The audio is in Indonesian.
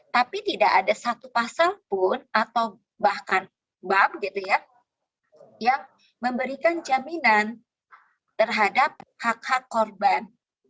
tapi tidak ada satu pasal pun atau bahkan bab gitu ya yang memberikan jaminan terhadap hak hak korban